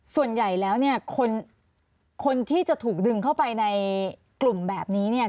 ส่วนใหญ่แล้วเนี่ยคนที่จะถูกดึงเข้าไปในกลุ่มแบบนี้เนี่ย